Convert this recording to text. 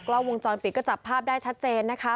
กล้องวงจรปิดก็จับภาพได้ชัดเจนนะคะ